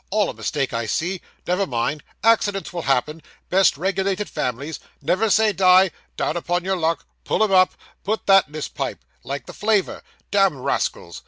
all a mistake, I see never mind accidents will happen best regulated families never say die down upon your luck Pull him up Put that in his pipe like the flavour damned rascals.